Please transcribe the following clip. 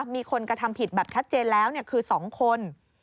มีคนกระทำผิดแบบชัดเจนแล้วคือ๒คน